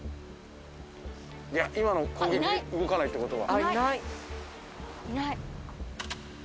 いや今の攻撃で動かないってことは。